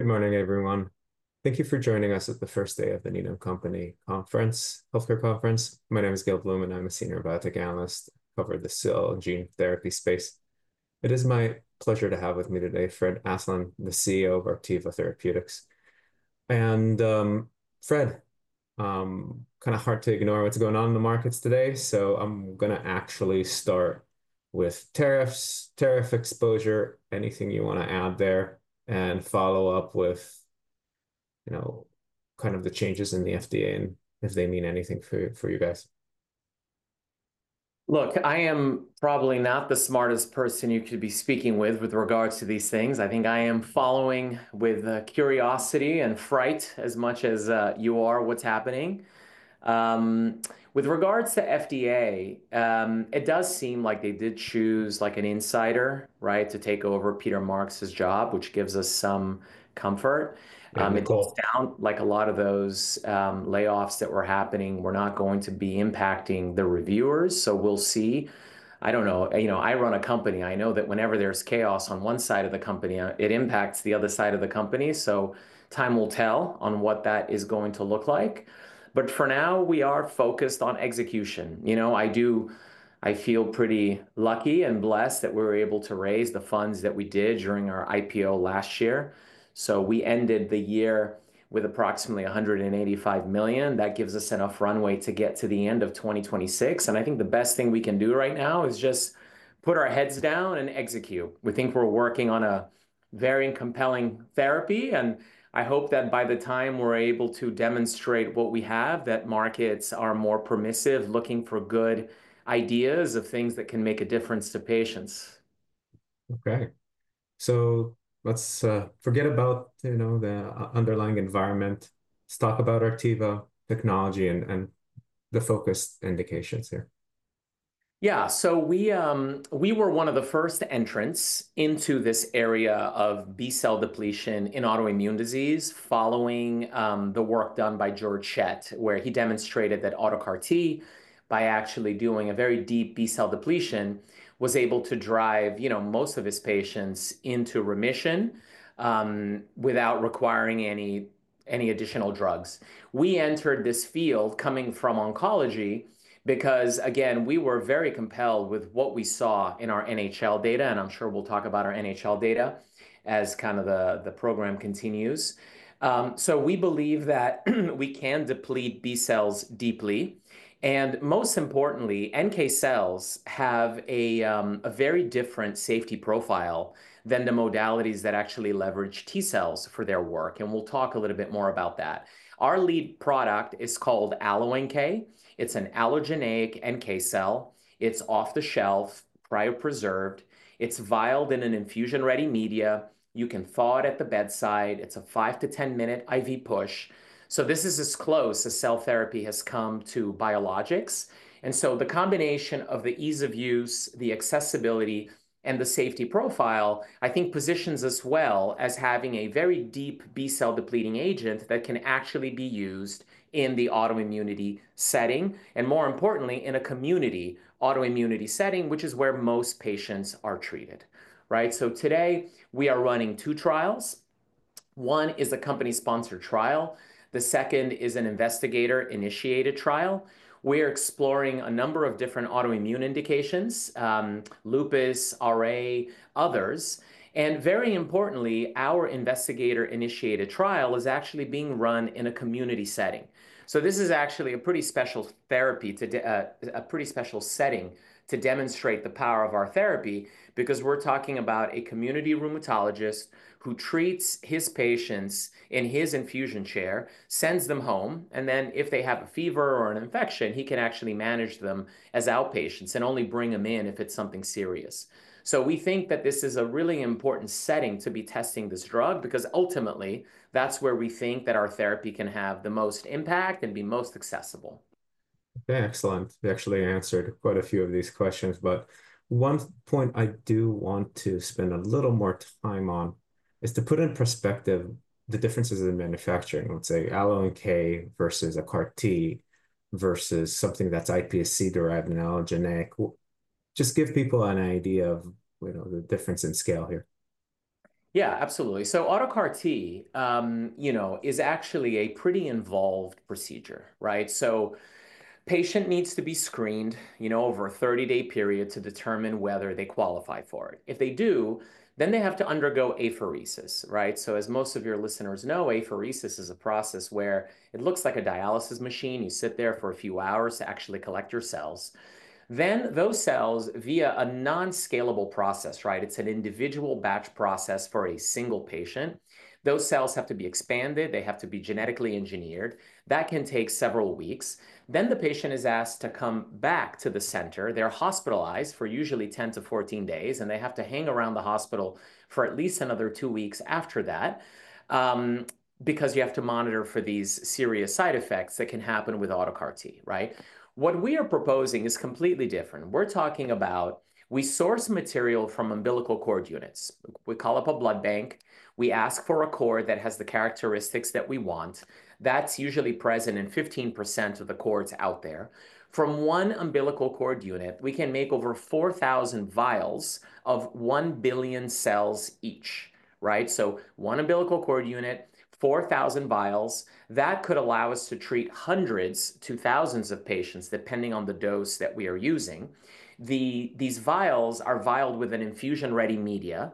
Good morning, everyone. Thank you for joining us at the first day of the Needham Company Conference, Healthcare Conference. My name is Gil Blum, and I'm a Senior Biotech Analyst. It is my pleasure to have with me today Fred Aslan, the CEO of Artiva Biotherapeutics. Fred, kind of hard to ignore what's going on in the markets today. I'm going to actually start with tariffs, tariff exposure, anything you want to add there, and follow up with, you know, kind of the changes in the FDA and if they mean anything for you guys. Look, I am probably not the smartest person you could be speaking with with regards to these things. I think I am following with curiosity and fright as much as you are what's happening. With regards to FDA, it does seem like they did choose like an insider, right, to take over Peter Marks's job, which gives us some comfort. Like a lot of those layoffs that were happening were not going to be impacting the reviewers. We'll see. I don't know, you know, I run a company. I know that whenever there's chaos on one side of the company, it impacts the other side of the company. Time will tell on what that is going to look like. For now, we are focused on execution. You know, I do, I feel pretty lucky and blessed that we were able to raise the funds that we did during our IPO last year. We ended the year with approximately $185 million. That gives us enough runway to get to the end of 2026. I think the best thing we can do right now is just put our heads down and execute. We think we're working on a very compelling therapy. I hope that by the time we're able to demonstrate what we have, that markets are more permissive, looking for good ideas of things that can make a difference to patients. Okay. Let's forget about, you know, the underlying environment. Let's talk about Artiva technology and the focus indications here. Yeah. We were one of the first entrants into this area of B cell depletion in autoimmune disease following the work done by Georg Schett, where he demonstrated that autologous CAR-T, by actually doing a very deep B cell depletion, was able to drive, you know, most of his patients into remission, without requiring any additional drugs. We entered this field coming from oncology because, again, we were very compelled with what we saw in our NHL data. I'm sure we'll talk about our NHL data as kind of the program continues. We believe that we can deplete B cells deeply. Most importantly, NK cells have a very different safety profile than the modalities that actually leverage T cells for their work. We'll talk a little bit more about that. Our lead product is called AlloNK. It's an allogeneic NK cell. It's off the shelf, cryopreserved. It's vialed in an infusion-ready media. You can thaw it at the bedside. It's a 5 minu-10 minute IV push. This is as close as cell therapy has come to biologics. The combination of the ease of use, the accessibility, and the safety profile, I think, positions us well as having a very deep B cell depleting agent that can actually be used in the autoimmunity setting and, more importantly, in a community autoimmunity setting, which is where most patients are treated, right? Today we are running two trials. One is a company-sponsored trial. The second is an investigator-initiated trial. We're exploring a number of different autoimmune indications, lupus, RA, others. Very importantly, our investigator-initiated trial is actually being run in a community setting. This is actually a pretty special therapy, a pretty special setting to demonstrate the power of our therapy because we're talking about a community rheumatologist who treats his patients in his infusion chair, sends them home, and then if they have a fever or an infection, he can actually manage them as outpatients and only bring them in if it's something serious. We think that this is a really important setting to be testing this drug because ultimately that's where we think that our therapy can have the most impact and be most accessible. Excellent. You actually answered quite a few of these questions, but one point I do want to spend a little more time on is to put in perspective the differences in manufacturing. Let's say AlloNK versus a CAR-T versus something that's iPSC-derived and allogeneic. Just give people an idea of, you know, the difference in scale here. Yeah, absolutely. auto CAR-T, you know, is actually a pretty involved procedure, right? The patient needs to be screened, you know, over a 30-day period to determine whether they qualify for it. If they do, they have to undergo apheresis, right? As most of your listeners know, apheresis is a process where it looks like a dialysis machine. You sit there for a few hours to actually collect your cells. Those cells, via a non-scalable process, right? It's an individual batch process for a single patient. Those cells have to be expanded. They have to be genetically engineered. That can take several weeks. The patient is asked to come back to the center. They're hospitalized for usually 10 to 14 days, and they have to hang around the hospital for at least another two weeks after that, because you have to monitor for these serious side effects that can happen with auto CAR-T, right? What we are proposing is completely different. We're talking about, we source material from umbilical cord units. We call up a blood bank. We ask for a cord that has the characteristics that we want. That's usually present in 15% of the cords out there. From one umbilical cord unit, we can make over 4,000 vials of 1 billion cells each, right? So one umbilical cord unit, 4,000 vials, that could allow us to treat hundreds to thousands of patients depending on the dose that we are using. These vials are vialed with an infusion-ready media.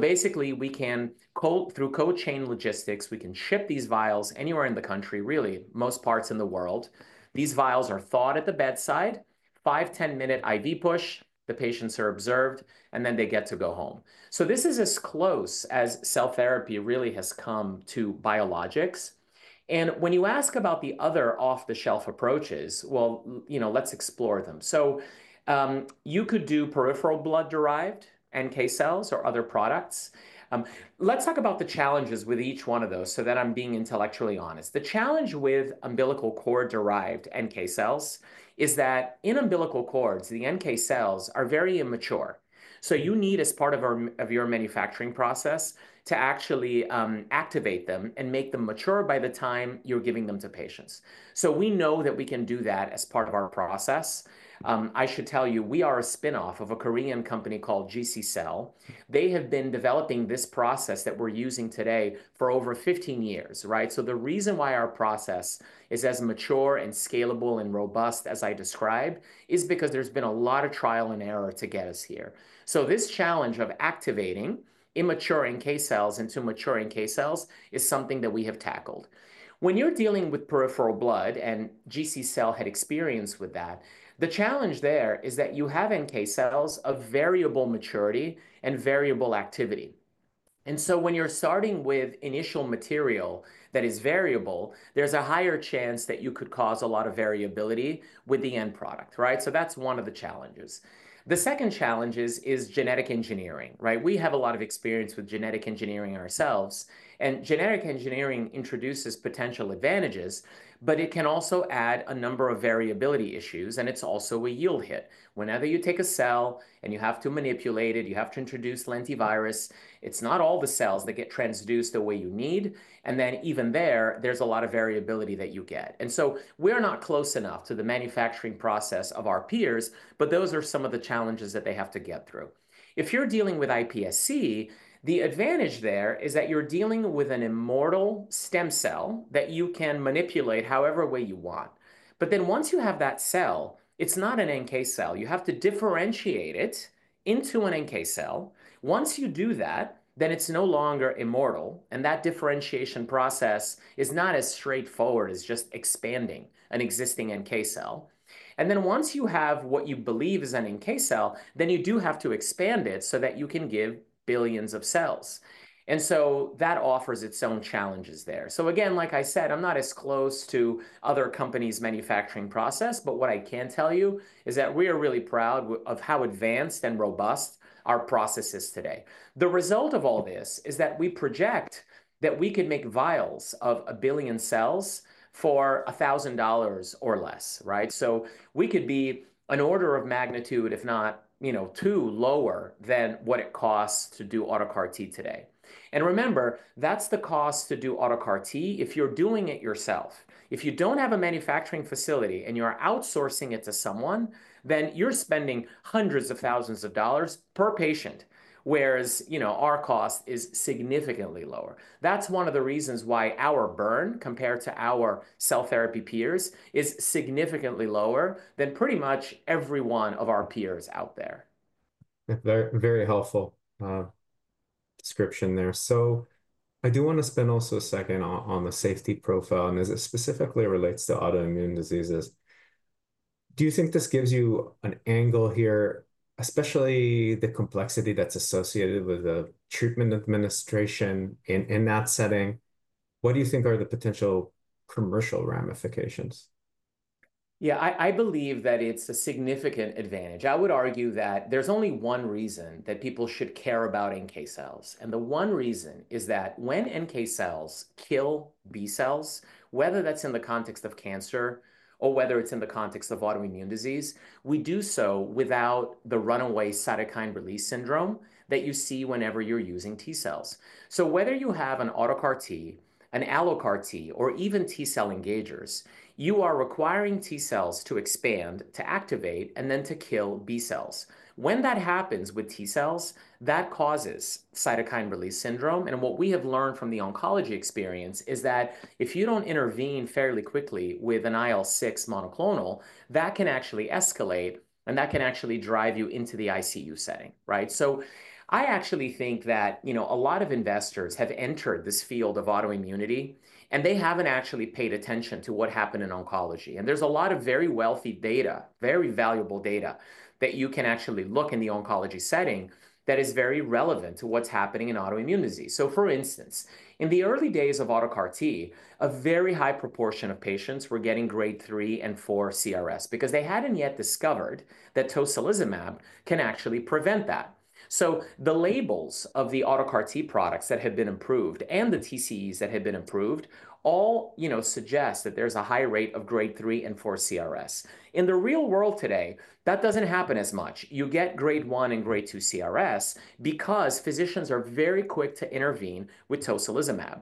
Basically, we can code through cold chain logistics, we can ship these vials anywhere in the country, really, most parts in the world. These vials are thawed at the bedside, five, ten minute IV push, the patients are observed, and then they get to go home. This is as close as cell therapy really has come to biologics. When you ask about the other off-the-shelf approaches, you know, let's explore them. You could do peripheral blood-derived NK cells or other products. Let's talk about the challenges with each one of those so that I'm being intellectually honest. The challenge with umbilical cord-derived NK cells is that in umbilical cords, the NK cells are very immature. You need, as part of your manufacturing process, to actually activate them and make them mature by the time you're giving them to patients. We know that we can do that as part of our process. I should tell you, we are a spinoff of a Korean company called GC Cell. They have been developing this process that we're using today for over 15 years, right? The reason why our process is as mature and scalable and robust as I described is because there's been a lot of trial and error to get us here. This challenge of activating immature NK cells into mature NK cells is something that we have tackled. When you're dealing with peripheral blood and GC Cell had experience with that, the challenge there is that you have NK cells of variable maturity and variable activity. When you're starting with initial material that is variable, there's a higher chance that you could cause a lot of variability with the end product, right? That's one of the challenges. The second challenge is genetic engineering, right? We have a lot of experience with genetic engineering ourselves. Genetic engineering introduces potential advantages, but it can also add a number of variability issues. It's also a yield hit. Whenever you take a cell and you have to manipulate it, you have to introduce lentivirus, it's not all the cells that get transduced the way you need. Even there, there's a lot of variability that you get. We're not close enough to the manufacturing process of our peers, but those are some of the challenges that they have to get through. If you're dealing with iPSC, the advantage there is that you're dealing with an immortal stem cell that you can manipulate however way you want. Once you have that cell, it's not an NK cell. You have to differentiate it into an NK cell. Once you do that, then it's no longer immortal. That differentiation process is not as straightforward as just expanding an existing NK cell. Once you have what you believe is an NK cell, you do have to expand it so that you can give billions of cells. That offers its own challenges there. Like I said, I'm not as close to other companies' manufacturing process, but what I can tell you is that we are really proud of how advanced and robust our process is today. The result of all this is that we project that we could make vials of a billion cells for $1,000 or less, right? We could be an order of magnitude, if not, you know, two lower than what it costs to do auto CAR-T today. Remember, that's the cost to do auto CAR-T if you're doing it yourself. If you don't have a manufacturing facility and you're outsourcing it to someone, then you're spending hundreds of thousands of dollars per patient, whereas, you know, our cost is significantly lower. That's one of the reasons why our burn compared to our cell therapy peers is significantly lower than pretty much every one of our peers out there. Very helpful description there. I do want to spend also a second on the safety profile and as it specifically relates to autoimmune diseases. Do you think this gives you an angle here, especially the complexity that's associated with the treatment administration in that setting? What do you think are the potential commercial ramifications? Yeah, I believe that it's a significant advantage. I would argue that there's only one reason that people should care about NK cells. And the one reason is that when NK cells kill B cells, whether that's in the context of cancer or whether it's in the context of autoimmune disease, we do so without the runaway cytokine release syndrome that you see whenever you're using T cells. Whether you have an auto CAR-T, an allo-CAR-T, or even T cell engagers, you are requiring T cells to expand, to activate, and then to kill B cells. When that happens with T cells, that causes cytokine release syndrome. What we have learned from the oncology experience is that if you don't intervene fairly quickly with an IL-6 monoclonal, that can actually escalate and that can actually drive you into the ICU setting, right? I actually think that, you know, a lot of investors have entered this field of autoimmunity and they haven't actually paid attention to what happened in oncology. There's a lot of very wealthy data, very valuable data that you can actually look in the oncology setting that is very relevant to what's happening in autoimmune disease. For instance, in the early days of auto CAR-T, a very high proportion of patients were getting grade 3 and 4 CRS because they hadn't yet discovered that tocilizumab can actually prevent that. The labels of the auto CAR-T products that had been approved and the TCEs that had been approved all, you know, suggest that there's a high rate of grade 3 and 4 CRS. In the real world today, that doesn't happen as much. You get grade one and grade two CRS because physicians are very quick to intervene with tocilizumab.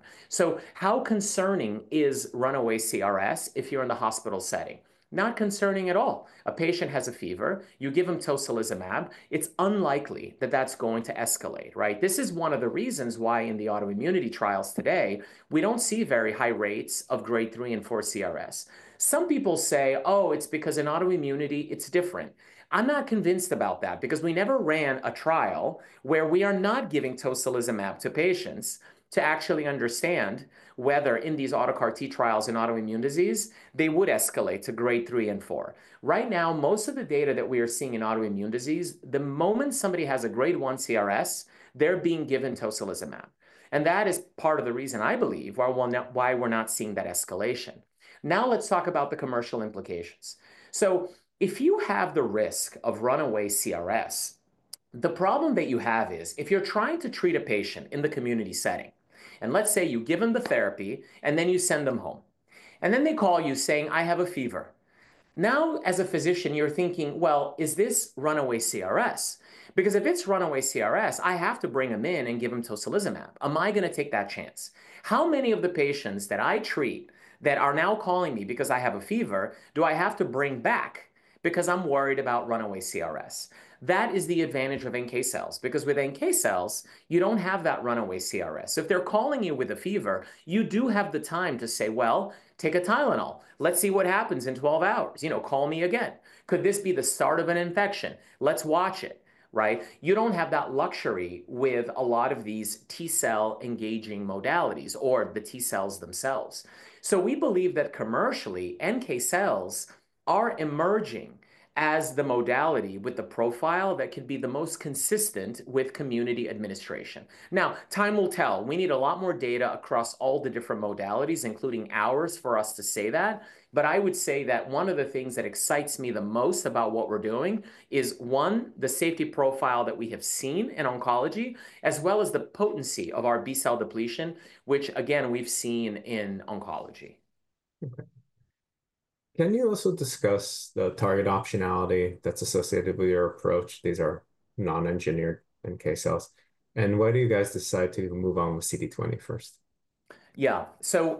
How concerning is runaway CRS if you're in the hospital setting? Not concerning at all. A patient has a fever, you give them tocilizumab, it's unlikely that that's going to escalate, right? This is one of the reasons why in the autoimmunity trials today, we don't see very high rates of grade 3 and 4 CRS. Some people say, "Oh, it's because in autoimmunity, it's different." I'm not convinced about that because we never ran a trial where we are not giving tocilizumab to patients to actually understand whether in these auto CAR-T trials in autoimmune disease, they would escalate to grade three and four. Right now, most of the data that we are seeing in autoimmune disease, the moment somebody has a grade 1 CRS, they're being given tocilizumab. That is part of the reason I believe why we're not seeing that escalation. Now let's talk about the commercial implications. If you have the risk of runaway CRS, the problem that you have is if you're trying to treat a patient in the community setting and let's say you've given the therapy and then you send them home and then they call you saying, "I have a fever." Now, as a physician, you're thinking, "Is this runaway CRS?" Because if it's runaway CRS, I have to bring them in and give them tocilizumab. Am I going to take that chance? How many of the patients that I treat that are now calling me because I have a fever do I have to bring back because I'm worried about runaway CRS? That is the advantage of NK cells because with NK cells, you do not have that runaway CRS. If they are calling you with a fever, you do have the time to say, "Well, take a Tylenol. Let's see what happens in 12 hours. You know, call me again. Could this be the start of an infection? Let's watch it," right? You do not have that luxury with a lot of these T cell engaging modalities or the T cells themselves. We believe that commercially, NK cells are emerging as the modality with the profile that can be the most consistent with community administration. Now, time will tell. We need a lot more data across all the different modalities, including ours, for us to say that. I would say that one of the things that excites me the most about what we're doing is, one, the safety profile that we have seen in oncology, as well as the potency of our B cell depletion, which again, we've seen in oncology. Okay. Can you also discuss the target optionality that's associated with your approach? These are non-engineered NK cells. Why do you guys decide to move on with CD20 first? Yeah. So,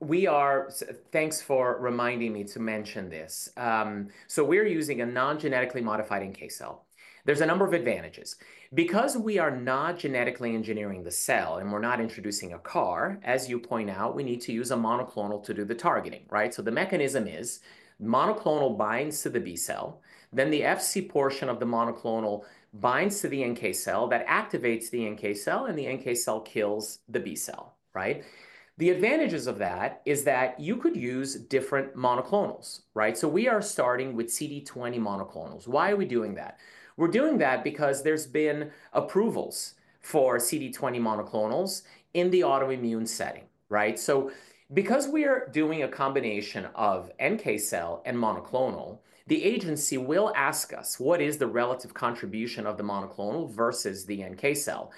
we are, thanks for reminding me to mention this. We're using a non-genetically modified NK cell. There's a number of advantages. Because we are not genetically engineering the cell and we're not introducing a CAR, as you point out, we need to use a monoclonal to do the targeting, right? So the mechanism is monoclonal binds to the B cell, then the FC portion of the monoclonal binds to the NK cell that activates the NK cell and the NK cell kills the B cell, right? The advantages of that is that you could use different monoclonals, right? So we are starting with CD20 monoclonals. Why are we doing that? We're doing that because there's been approvals for CD20 monoclonals in the autoimmune setting, right? Because we are doing a combination of NK cell and monoclonal, the agency will ask us, "What is the relative contribution of the monoclonal versus the NK cell?"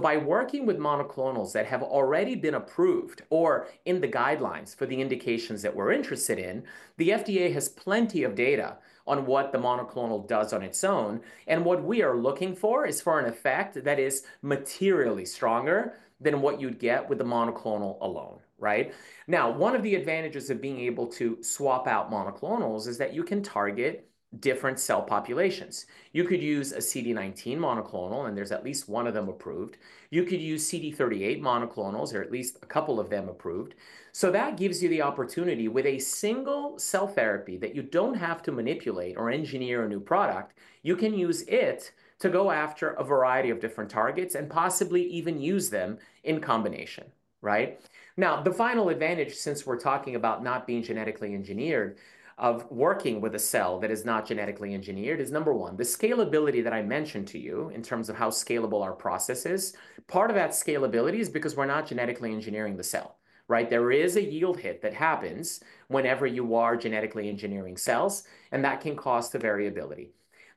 By working with monoclonals that have already been approved or are in the guidelines for the indications that we're interested in, the FDA has plenty of data on what the monoclonal does on its own. What we are looking for is for an effect that is materially stronger than what you'd get with the monoclonal alone, right? One of the advantages of being able to swap out monoclonals is that you can target different cell populations. You could use a CD19 monoclonal and there's at least one of them approved. You could use CD38 monoclonals or at least a couple of them approved. That gives you the opportunity with a single cell therapy that you don't have to manipulate or engineer a new product, you can use it to go after a variety of different targets and possibly even use them in combination, right? Now, the final advantage since we're talking about not being genetically engineered of working with a cell that is not genetically engineered is, number one, the scalability that I mentioned to you in terms of how scalable our process is. Part of that scalability is because we're not genetically engineering the cell, right? There is a yield hit that happens whenever you are genetically engineering cells and that can cause the variability.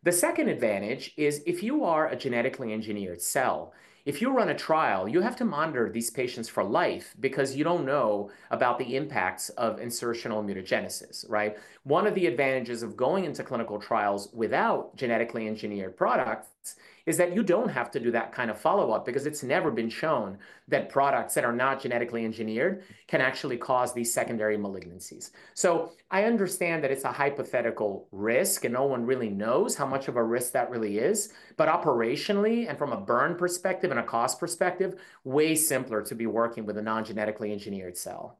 The second advantage is if you are a genetically engineered cell, if you run a trial, you have to monitor these patients for life because you don't know about the impacts of insertional mutagenesis, right? One of the advantages of going into clinical trials without genetically engineered products is that you don't have to do that kind of follow-up because it's never been shown that products that are not genetically engineered can actually cause these secondary malignancies. I understand that it's a hypothetical risk and no one really knows how much of a risk that really is, but operationally and from a burn perspective and a cost perspective, way simpler to be working with a non-genetically engineered cell.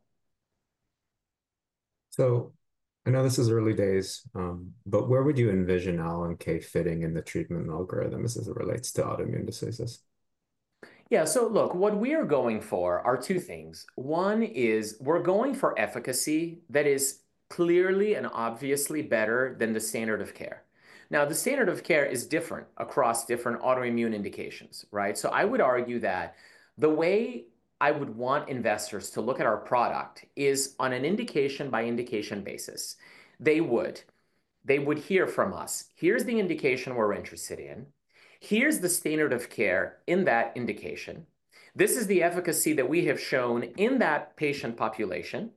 I know this is early days, but where would you envision AlloNK fitting in the treatment algorithm as it relates to autoimmune diseases? Yeah. Look, what we are going for are two things. One is we're going for efficacy that is clearly and obviously better than the standard of care. Now, the standard of care is different across different autoimmune indications, right? I would argue that the way I would want investors to look at our product is on an indication-by-indication basis. They would hear from us, "Here's the indication we're interested in. Here's the standard of care in that indication. This is the efficacy that we have shown in that patient population.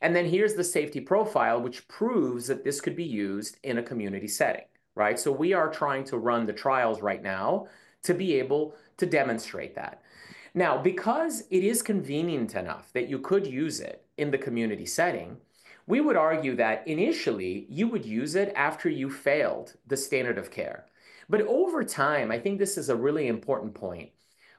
And then here's the safety profile, which proves that this could be used in a community setting," right? We are trying to run the trials right now to be able to demonstrate that. Now, because it is convenient enough that you could use it in the community setting, we would argue that initially you would use it after you failed the standard of care. Over time, I think this is a really important point.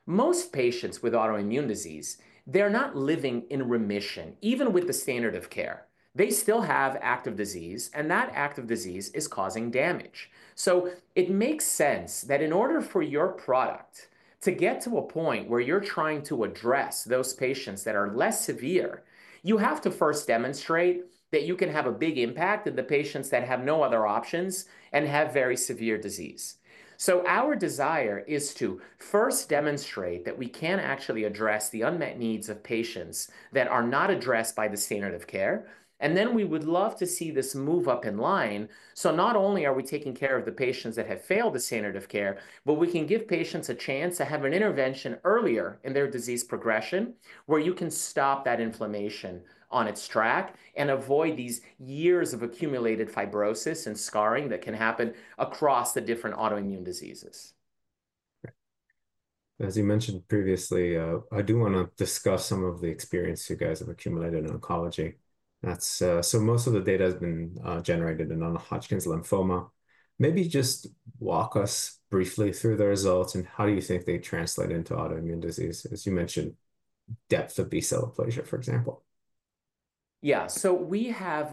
Most patients with autoimmune disease, they're not living in remission, even with the standard of care. They still have active disease and that active disease is causing damage. It makes sense that in order for your product to get to a point where you're trying to address those patients that are less severe, you have to first demonstrate that you can have a big impact in the patients that have no other options and have very severe disease. Our desire is to first demonstrate that we can actually address the unmet needs of patients that are not addressed by the standard of care. We would love to see this move up in line. Not only are we taking care of the patients that have failed the standard of care, but we can give patients a chance to have an intervention earlier in their disease progression where you can stop that inflammation on its track and avoid these years of accumulated fibrosis and scarring that can happen across the different autoimmune diseases. As you mentioned previously, I do want to discuss some of the experience you guys have accumulated in oncology. Most of the data has been generated in Hodgkin's lymphoma. Maybe just walk us briefly through the results and how do you think they translate into autoimmune disease, as you mentioned, depth of B cell aplasia, for example? Yeah. So we have,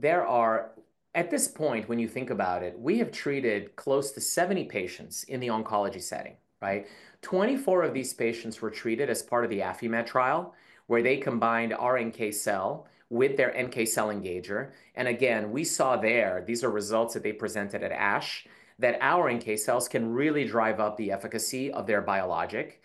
there are, at this point, when you think about it, we have treated close to 70 patients in the oncology setting, right? Twenty-four of these patients were treated as part of the Affimed trial where they combined our NK cell with their NK cell engager. Again, we saw there, these are results that they presented at ASH that our NK cells can really drive up the efficacy of their biologic.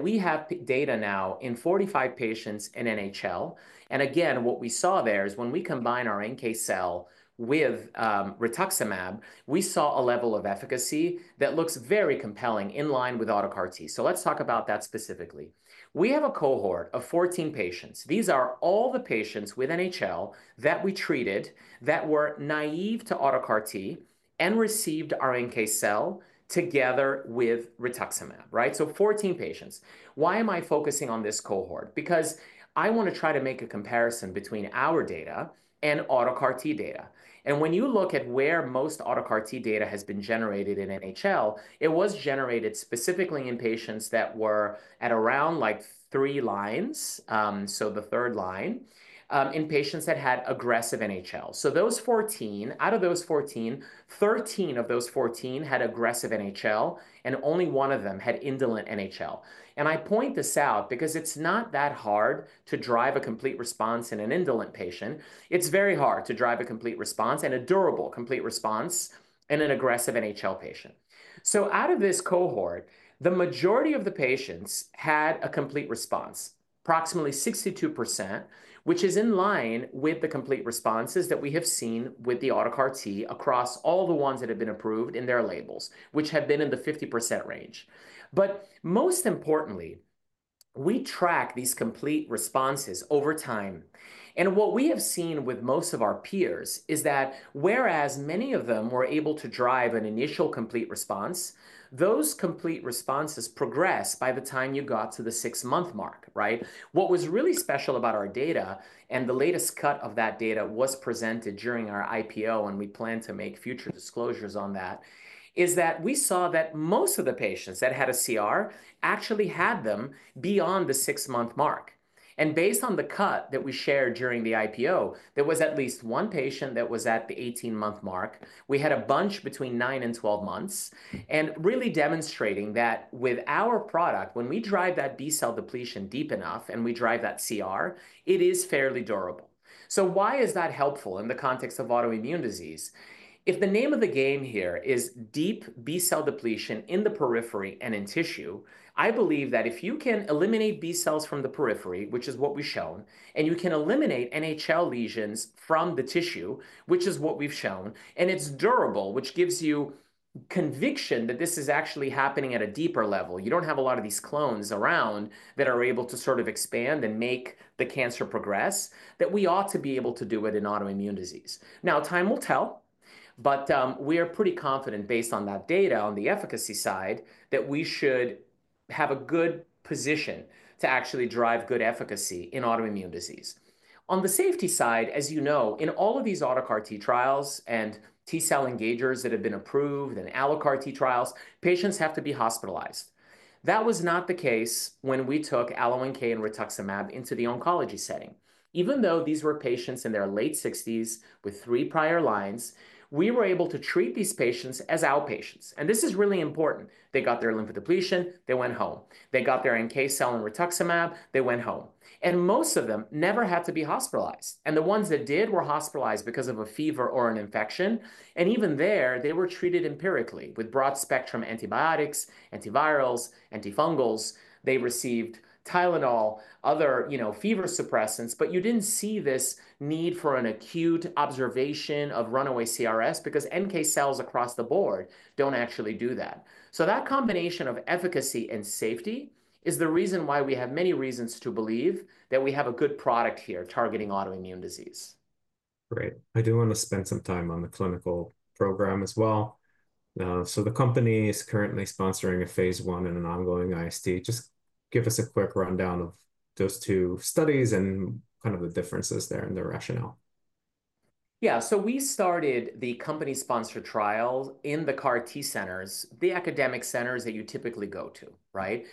We have data now in 45 patients in NHL. Again, what we saw there is when we combine our NK cell with rituximab, we saw a level of efficacy that looks very compelling in line with autologous CAR T. Let's talk about that specifically. We have a cohort of 14 patients. These are all the patients with NHL that we treated that were naive to auto CAR-T and received our NK cell together with rituximab, right? Fourteen patients. Why am I focusing on this cohort? Because I want to try to make a comparison between our data and auto CAR-T data. When you look at where most auto CAR-T data has been generated in NHL, it was generated specifically in patients that were at around like three lines, so the third line, in patients that had aggressive NHL. Of those fourteen, thirteen of those fourteen had aggressive NHL and only one of them had indolent NHL. I point this out because it's not that hard to drive a complete response in an indolent patient. It's very hard to drive a complete response and a durable complete response in an aggressive NHL patient. Out of this cohort, the majority of the patients had a complete response, approximately 62%, which is in line with the complete responses that we have seen with the auto CAR-T across all the ones that have been approved in their labels, which have been in the 50% range. Most importantly, we track these complete responses over time. What we have seen with most of our peers is that whereas many of them were able to drive an initial complete response, those complete responses progressed by the time you got to the six-month mark, right? What was really special about our data, and the latest cut of that data was presented during our IPO and we plan to make future disclosures on that, is that we saw that most of the patients that had a CR actually had them beyond the six-month mark. Based on the cut that we shared during the IPO, there was at least one patient that was at the 18-month mark. We had a bunch between nine and 12 months and really demonstrating that with our product, when we drive that B cell depletion deep enough and we drive that CR, it is fairly durable. Why is that helpful in the context of autoimmune disease? If the name of the game here is deep B cell depletion in the periphery and in tissue, I believe that if you can eliminate B cells from the periphery, which is what we've shown, and you can eliminate NHL lesions from the tissue, which is what we've shown, and it's durable, which gives you conviction that this is actually happening at a deeper level, you don't have a lot of these clones around that are able to sort of expand and make the cancer progress, that we ought to be able to do it in autoimmune disease. Now, time will tell, but we are pretty confident based on that data on the efficacy side that we should have a good position to actually drive good efficacy in autoimmune disease. On the safety side, as you know, in all of these autologous CAR T trials and T cell engagers that have been approved and allogeneic CAR T trials, patients have to be hospitalized. That was not the case when we took AlloNK and rituximab into the oncology setting. Even though these were patients in their late 60s with three prior lines, we were able to treat these patients as outpatients. This is really important. They got their lymphodepletion, they went home. They got their NK cell and rituximab, they went home. Most of them never had to be hospitalized. The ones that did were hospitalized because of a fever or an infection. Even there, they were treated empirically with broad spectrum antibiotics, antivirals, antifungals. They received Tylenol, other, you know, fever suppressants, but you didn't see this need for an acute observation of runaway CRS because NK cells across the board don't actually do that. That combination of efficacy and safety is the reason why we have many reasons to believe that we have a good product here targeting autoimmune disease. Great. I do want to spend some time on the clinical program as well. The company is currently sponsoring a phase I in an ongoing ISD. Just give us a quick rundown of those two studies and kind of the differences there and the rationale. Yeah. We started the company-sponsored trials in the CAR T centers, the academic centers that you typically go to, right?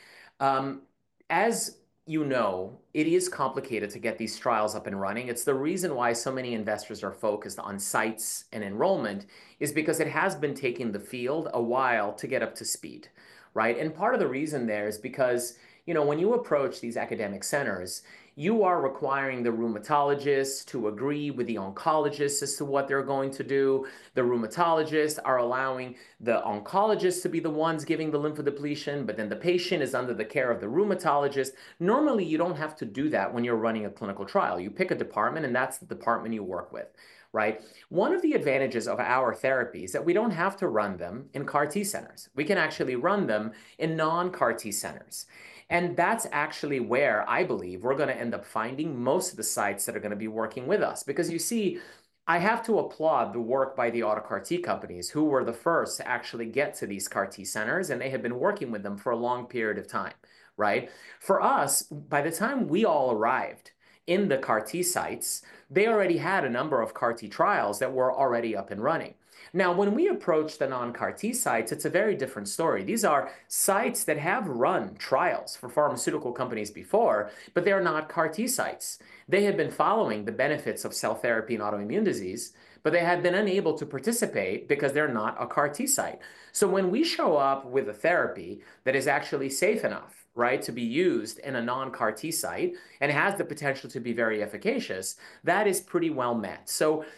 As you know, it is complicated to get these trials up and running. It's the reason why so many investors are focused on sites and enrollment is because it has been taking the field a while to get up to speed, right? Part of the reason there is because, you know, when you approach these academic centers, you are requiring the rheumatologist to agree with the oncologist as to what they're going to do. The rheumatologists are allowing the oncologist to be the ones giving the lymphodepletion, but then the patient is under the care of the rheumatologist. Normally, you don't have to do that when you're running a clinical trial. You pick a department and that's the department you work with, right? One of the advantages of our therapy is that we do not have to run them in CAR-T centers. We can actually run them in non-CAR-T centers. That is actually where I believe we are going to end up finding most of the sites that are going to be working with us. You see, I have to applaud the work by the autologous CAR-T companies who were the first to actually get to these CAR-T centers and they had been working with them for a long period of time, right? For us, by the time we all arrived in the CAR-T sites, they already had a number of CAR-T trials that were already up and running. Now, when we approach the non-CAR-T sites, it is a very different story. These are sites that have run trials for pharmaceutical companies before, but they are not CAR-T sites. They had been following the benefits of cell therapy in autoimmune disease, but they had been unable to participate because they're not a CAR-T site. When we show up with a therapy that is actually safe enough, right, to be used in a non-CAR-T site and has the potential to be very efficacious, that is pretty well met.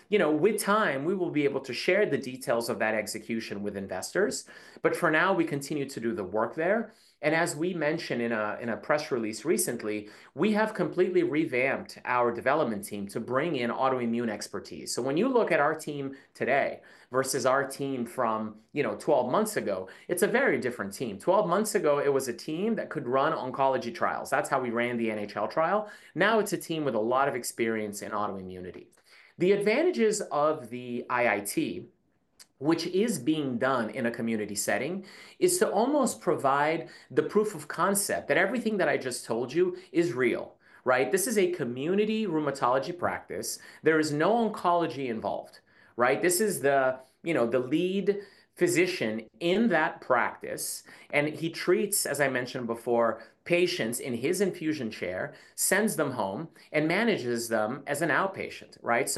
You know, with time, we will be able to share the details of that execution with investors. For now, we continue to do the work there. As we mentioned in a press release recently, we have completely revamped our development team to bring in autoimmune expertise. When you look at our team today versus our team from, you know, 12 months ago, it's a very different team. Twelve months ago, it was a team that could run oncology trials. That's how we ran the NHL trial. Now it's a team with a lot of experience in autoimmunity. The advantages of the IIT, which is being done in a community setting, is to almost provide the proof of concept that everything that I just told you is real, right? This is a community rheumatology practice. There is no oncology involved, right? This is the, you know, the lead physician in that practice. And he treats, as I mentioned before, patients in his infusion chair, sends them home, and manages them as an outpatient, right?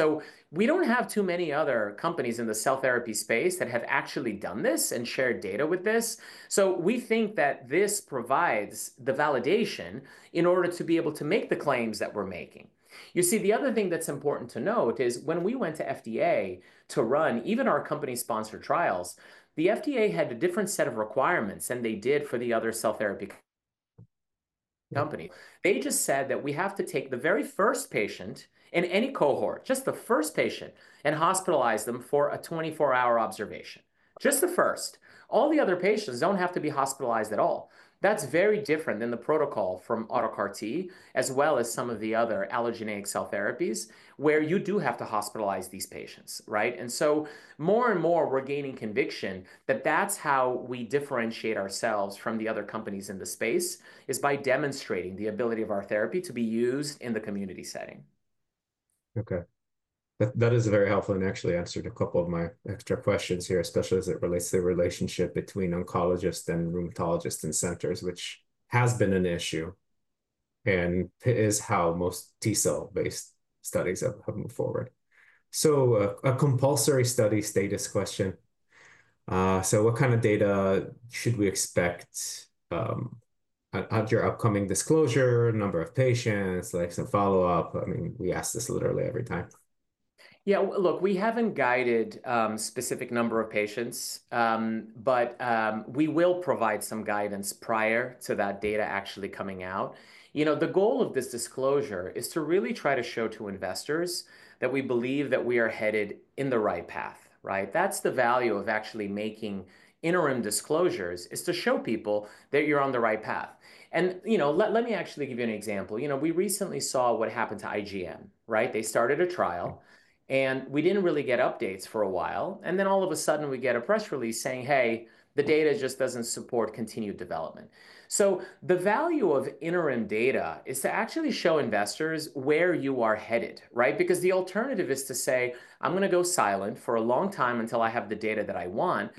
We don't have too many other companies in the cell therapy space that have actually done this and shared data with this. We think that this provides the validation in order to be able to make the claims that we're making. You see, the other thing that's important to note is when we went to FDA to run even our company-sponsored trials, the FDA had a different set of requirements than they did for the other cell therapy companies. They just said that we have to take the very first patient in any cohort, just the first patient, and hospitalize them for a 24-hour observation. Just the first. All the other patients don't have to be hospitalized at all. That's very different than the protocol from autologous CAR-T, as well as some of the other allogeneic cell therapies where you do have to hospitalize these patients, right? More and more we're gaining conviction that that's how we differentiate ourselves from the other companies in the space is by demonstrating the ability of our therapy to be used in the community setting. Okay. That is very helpful and actually answered a couple of my extra questions here, especially as it relates to the relationship between oncologists and rheumatologists and centers, which has been an issue and is how most T cell-based studies have moved forward. A compulsory study status question. What kind of data should we expect at your upcoming disclosure, number of patients, like some follow-up? I mean, we ask this literally every time. Yeah. Look, we haven't guided a specific number of patients, but we will provide some guidance prior to that data actually coming out. You know, the goal of this disclosure is to really try to show to investors that we believe that we are headed in the right path, right? That's the value of actually making interim disclosures is to show people that you're on the right path. You know, let me actually give you an example. You know, we recently saw what happened to IGM, right? They started a trial and we didn't really get updates for a while. All of a sudden we get a press release saying, "Hey, the data just doesn't support continued development." The value of interim data is to actually show investors where you are headed, right? Because the alternative is to say, "I'm going to go silent for a long time until I have the data that I want."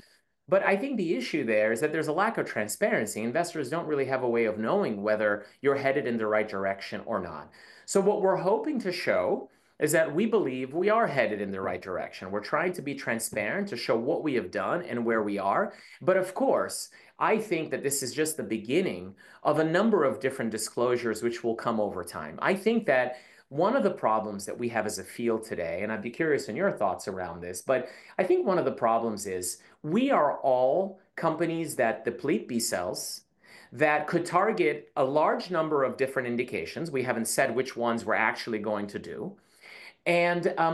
I think the issue there is that there's a lack of transparency. Investors don't really have a way of knowing whether you're headed in the right direction or not. What we're hoping to show is that we believe we are headed in the right direction. We're trying to be transparent to show what we have done and where we are. Of course, I think that this is just the beginning of a number of different disclosures, which will come over time. I think that one of the problems that we have as a field today, and I'd be curious in your thoughts around this, but I think one of the problems is we are all companies that deplete B cells that could target a large number of different indications. We haven't said which ones we're actually going to do.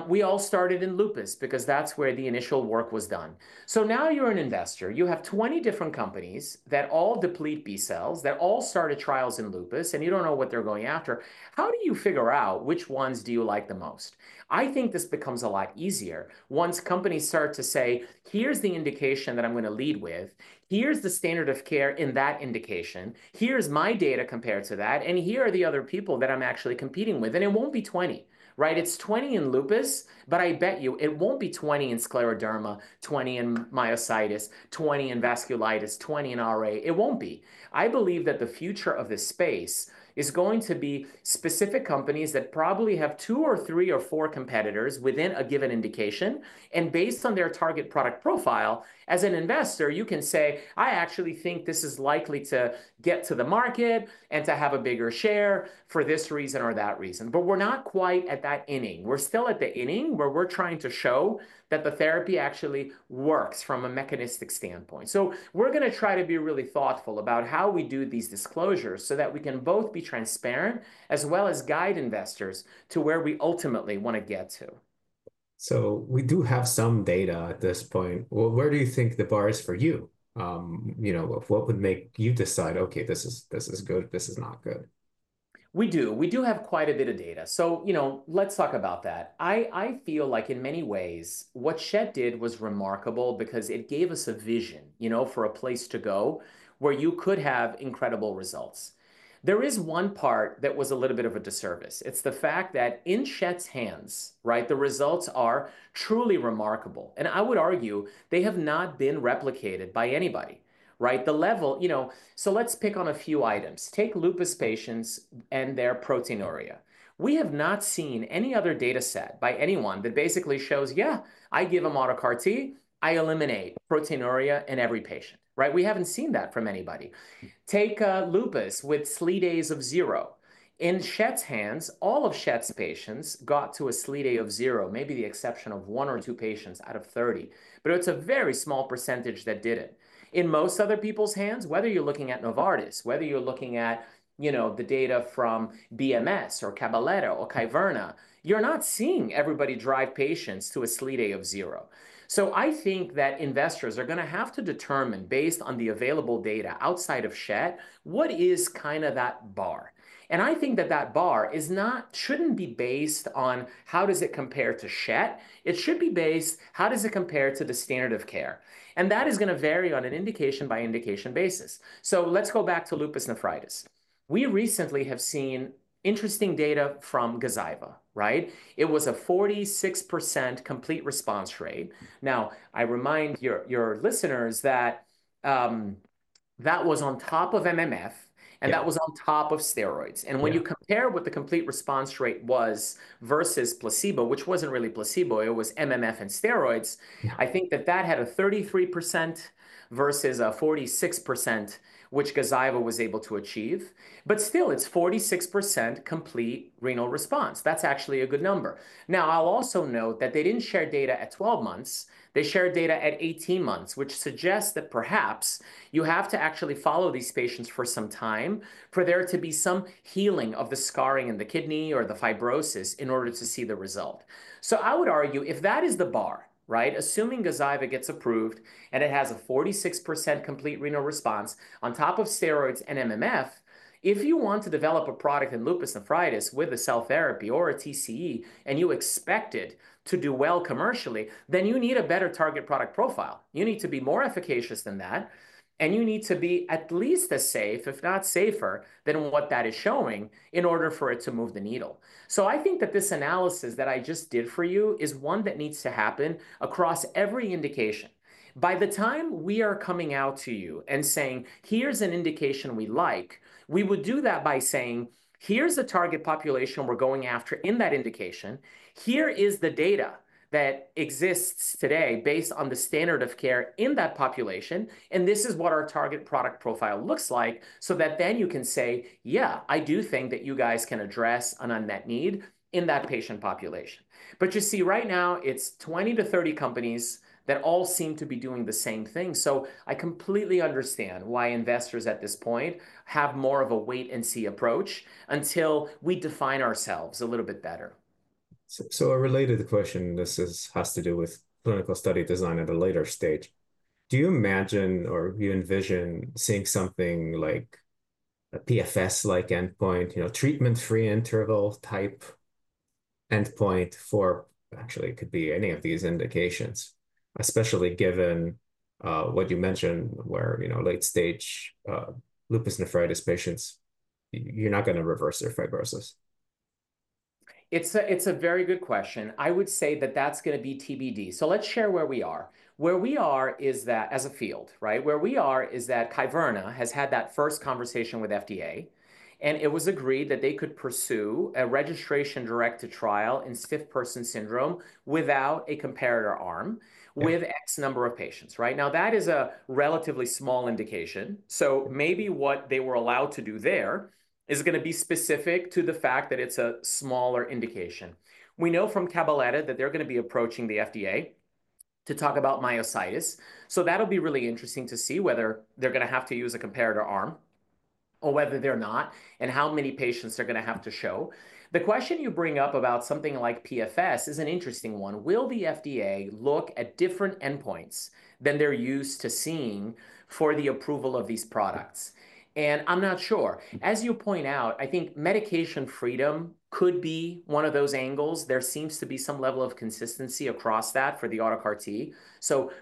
We all started in lupus because that's where the initial work was done. Now you're an investor. You have 20 different companies that all deplete B cells that all started trials in lupus and you don't know what they're going after. How do you figure out which ones do you like the most? I think this becomes a lot easier once companies start to say, "Here's the indication that I'm going to lead with. Here's the standard of care in that indication. Here's my data compared to that. Here are the other people that I'm actually competing with. It won't be 20, right? It's 20 in lupus, but I bet you it won't be 20 in scleroderma, 20 in myositis, 20 in vasculitis, 20 in RA. It won't be. I believe that the future of this space is going to be specific companies that probably have two or three or four competitors within a given indication. Based on their target product profile, as an investor, you can say, "I actually think this is likely to get to the market and to have a bigger share for this reason or that reason." We're not quite at that inning. We're still at the inning where we're trying to show that the therapy actually works from a mechanistic standpoint. We're going to try to be really thoughtful about how we do these disclosures so that we can both be transparent as well as guide investors to where we ultimately want to get to. We do have some data at this point. Where do you think the bar is for you? You know, what would make you decide, "Okay, this is good, this is not good"? We do. We do have quite a bit of data. You know, let's talk about that. I feel like in many ways, what Schett did was remarkable because it gave us a vision, you know, for a place to go where you could have incredible results. There is one part that was a little bit of a disservice. It's the fact that in Schett's hands, right, the results are truly remarkable. I would argue they have not been replicated by anybody, right? The level, you know, so let's pick on a few items. Take lupus patients and their proteinuria. We have not seen any other data set by anyone that basically shows, "Yeah, I give them auto CAR-T, I eliminate proteinuria in every patient," right? We haven't seen that from anybody. Take lupus with SLEDAIs of zero. In Schett's hands, all of Schett's patients got to a SLEDAI of zero, maybe the exception of one or two patients out of 30, but it's a very small percentage that did it. In most other people's hands, whether you're looking at Novartis, whether you're looking at, you know, the data from BMS or Cabaletta or Kyverna, you're not seeing everybody drive patients to a SLEDAI of zero. I think that investors are going to have to determine, based on the available data outside of Schett, what is kind of that bar. I think that that bar shouldn't be based on how does it compare to Schett. It should be based, how does it compare to the standard of care? That is going to vary on an indication-by-indication basis. Let's go back to lupus nephritis. We recently have seen interesting data from Gazyva, right? It was a 46% complete response rate. Now, I remind your listeners that that was on top of MMF and that was on top of steroids. When you compare what the complete response rate was versus placebo, which was not really placebo, it was MMF and steroids, I think that that had a 33% versus a 46%, which Gazyva was able to achieve. Still, it is 46% complete renal response. That is actually a good number. I will also note that they did not share data at 12 months. They shared data at 18 months, which suggests that perhaps you have to actually follow these patients for some time for there to be some healing of the scarring in the kidney or the fibrosis in order to see the result. I would argue if that is the bar, right, assuming Gazyva gets approved and it has a 46% complete renal response on top of steroids and MMF, if you want to develop a product in lupus nephritis with a cell therapy or a TCE and you expect it to do well commercially, then you need a better target product profile. You need to be more efficacious than that, and you need to be at least as safe, if not safer, than what that is showing in order for it to move the needle. I think that this analysis that I just did for you is one that needs to happen across every indication. By the time we are coming out to you and saying, "Here's an indication we like," we would do that by saying, "Here's the target population we're going after in that indication. Here is the data that exists today based on the standard of care in that population, and this is what our target product profile looks like," so that then you can say, "Yeah, I do think that you guys can address an unmet need in that patient population." You see right now, it's 20-30 companies that all seem to be doing the same thing. I completely understand why investors at this point have more of a wait-and-see approach until we define ourselves a little bit better. A related question, this has to do with clinical study design at a later stage. Do you imagine or do you envision seeing something like a PFS-like endpoint, you know, treatment-free interval type endpoint for actually it could be any of these indications, especially given what you mentioned where, you know, late-stage lupus nephritis patients, you're not going to reverse their fibrosis? It's a very good question. I would say that that's going to be TBD. Let's share where we are. Where we are is that as a field, right? Where we are is that Kyverna has had that first conversation with FDA, and it was agreed that they could pursue a registration direct to trial in stiff person syndrome without a comparator arm with X number of patients, right? That is a relatively small indication. Maybe what they were allowed to do there is going to be specific to the fact that it's a smaller indication. We know from Cabaletta that they're going to be approaching the FDA to talk about myositis. That'll be really interesting to see whether they're going to have to use a comparator arm or whether they're not and how many patients they're going to have to show. The question you bring up about something like PFS is an interesting one. Will the FDA look at different endpoints than they're used to seeing for the approval of these products? I'm not sure. As you point out, I think medication freedom could be one of those angles. There seems to be some level of consistency across that for the auto CAR-T.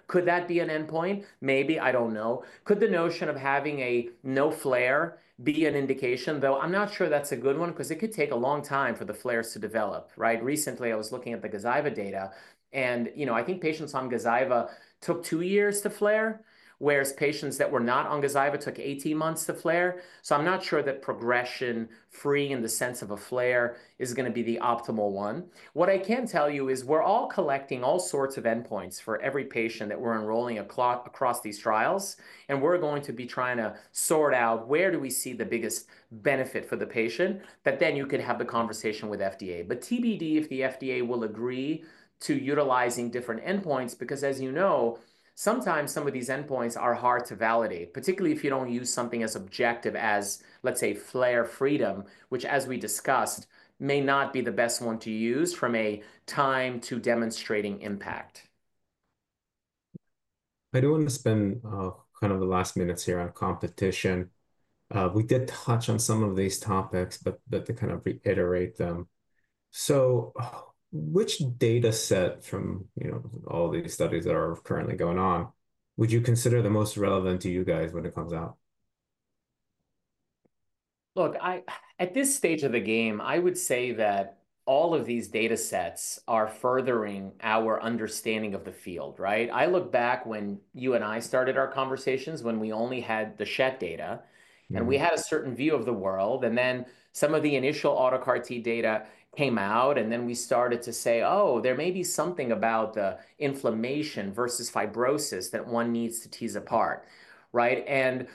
Could that be an endpoint? Maybe, I don't know. Could the notion of having a no flare be an indication, though? I'm not sure that's a good one because it could take a long time for the flares to develop, right? Recently, I was looking at the Gazyva data, and you know, I think patients on Gazyva took two years to flare, whereas patients that were not on Gazyva took 18 months to flare. I'm not sure that progression-free in the sense of a flare is going to be the optimal one. What I can tell you is we're all collecting all sorts of endpoints for every patient that we're enrolling across these trials, and we're going to be trying to sort out where do we see the biggest benefit for the patient that then you could have the conversation with FDA. TBD if the FDA will agree to utilizing different endpoints because, as you know, sometimes some of these endpoints are hard to validate, particularly if you don't use something as objective as, let's say, flare freedom, which, as we discussed, may not be the best one to use from a time to demonstrating impact. I do want to spend kind of the last minutes here on competition. We did touch on some of these topics, but to kind of reiterate them. Which data set from, you know, all these studies that are currently going on, would you consider the most relevant to you guys when it comes out? Look, at this stage of the game, I would say that all of these data sets are furthering our understanding of the field, right? I look back when you and I started our conversations when we only had the Schett data and we had a certain view of the world. Then some of the initial auto CAR T data came out, and we started to say, "Oh, there may be something about the inflammation versus fibrosis that one needs to tease apart," right?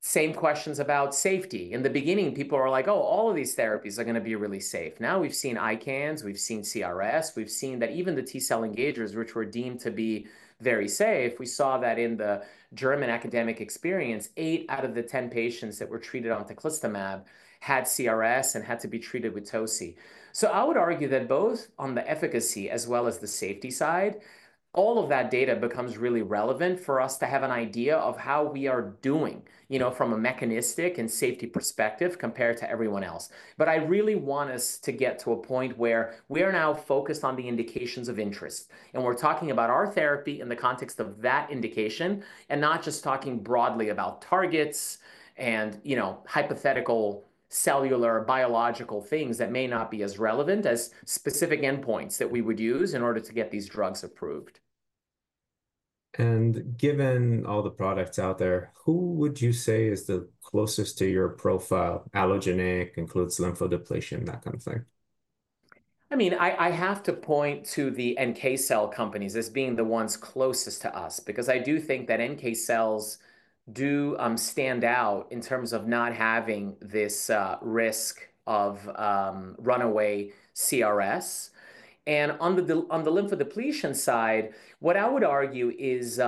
Same questions about safety. In the beginning, people were like, "Oh, all of these therapies are going to be really safe." Now we've seen ICANS, we've seen CRS, we've seen that even the T cell engagers, which were deemed to be very safe, we saw that in the German academic experience, eight out of the 10 patients that were treated on teclistamab had CRS and had to be treated with Toci. I would argue that both on the efficacy as well as the safety side, all of that data becomes really relevant for us to have an idea of how we are doing, you know, from a mechanistic and safety perspective compared to everyone else. I really want us to get to a point where we are now focused on the indications of interest. We're talking about our therapy in the context of that indication and not just talking broadly about targets and, you know, hypothetical cellular biological things that may not be as relevant as specific endpoints that we would use in order to get these drugs approved. Given all the products out there, who would you say is the closest to your profile? Allogeneic includes lymphodepletion, that kind of thing. I mean, I have to point to the NK cell companies as being the ones closest to us because I do think that NK cells do stand out in terms of not having this risk of runaway CRS. On the lymphodepletion side, what I would argue is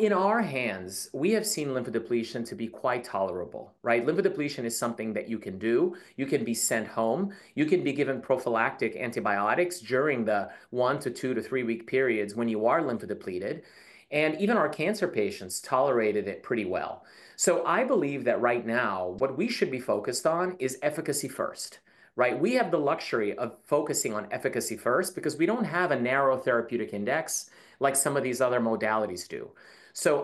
in our hands, we have seen lymphodepletion to be quite tolerable, right? Lymphodepletion is something that you can do. You can be sent home. You can be given prophylactic antibiotics during the one to two to three-week periods when you are lymphodepleted. Even our cancer patients tolerated it pretty well. I believe that right now, what we should be focused on is efficacy first, right? We have the luxury of focusing on efficacy first because we do not have a narrow therapeutic index like some of these other modalities do.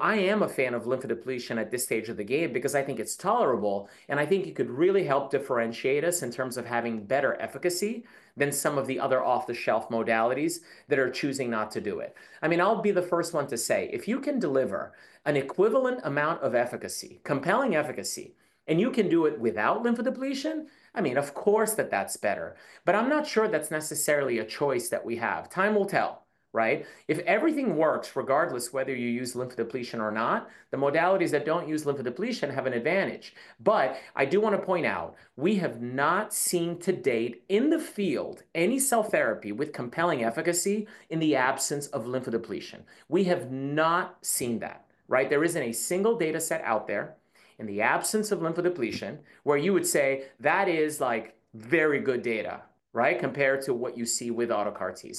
I am a fan of lymphodepletion at this stage of the game because I think it's tolerable, and I think it could really help differentiate us in terms of having better efficacy than some of the other off-the-shelf modalities that are choosing not to do it. I mean, I'll be the first one to say, if you can deliver an equivalent amount of efficacy, compelling efficacy, and you can do it without lymphodepletion, I mean, of course that that's better. I am not sure that's necessarily a choice that we have. Time will tell, right? If everything works, regardless whether you use lymphodepletion or not, the modalities that do not use lymphodepletion have an advantage. I do want to point out, we have not seen to date in the field any cell therapy with compelling efficacy in the absence of lymphodepletion. We have not seen that, right? There isn't a single data set out there in the absence of lymphodepletion where you would say that is like very good data, right, compared to what you see with auto CAR-T.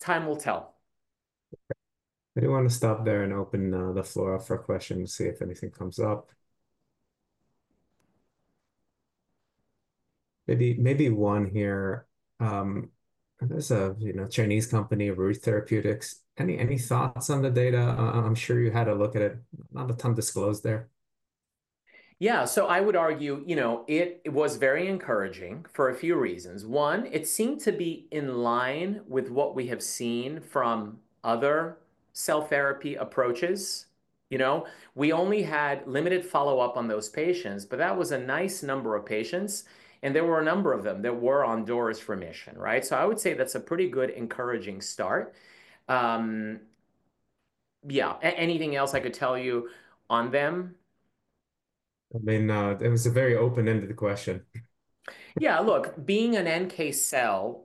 Time will tell. I do want to stop there and open the floor up for questions to see if anything comes up. Maybe one here. There's a, you know, Chinese company, Rui Therapeutics. Any thoughts on the data? I'm sure you had a look at it. Not a ton disclosed there. Yeah, so I would argue, you know, it was very encouraging for a few reasons. One, it seemed to be in line with what we have seen from other cell therapy approaches. You know, we only had limited follow-up on those patients, but that was a nice number of patients. And there were a number of them that were on durable remission, right? So I would say that's a pretty good encouraging start. Yeah, anything else I could tell you on them? I mean, it was a very open-ended question. Yeah, look, being an NK cell,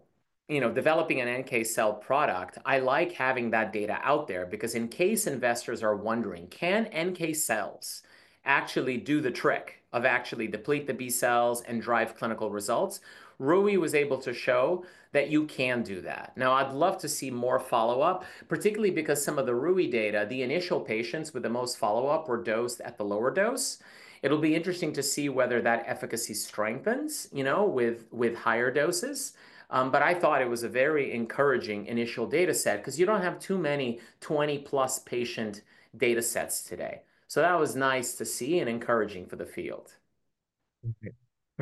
you know, developing an NK cell product, I like having that data out there because in case investors are wondering, can NK cells actually do the trick of actually deplete the B cells and drive clinical results? Rui was able to show that you can do that. Now, I'd love to see more follow-up, particularly because some of the Rui data, the initial patients with the most follow-up were dosed at the lower dose. It'll be interesting to see whether that efficacy strengthens, you know, with higher doses. I thought it was a very encouraging initial data set because you don't have too many 20-plus patient data sets today. That was nice to see and encouraging for the field. All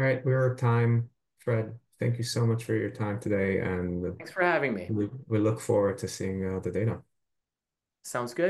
right, we're at time, Fred. Thank you so much for your time today. Thanks for having me. We look forward to seeing the data. Sounds good.